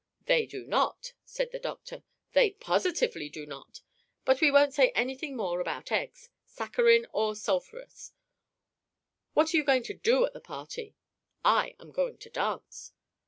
"They do not!" said the doctor. "They positively do not! But we won't say anything more about eggs saccharine or sulphurous. What are you going to do at the party?" "I am going to dance."